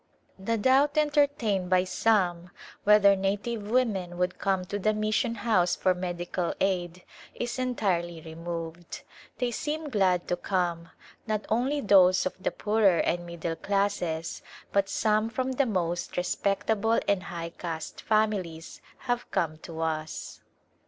The doubt entertained by some whether native women would come to the mission house for medical aid is entirely removed. They seem glad to come ; A Glimpse of India not only those of the poorer and middle classes but some from the most respectable and high caste families have come to us.